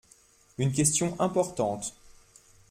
Une question importante.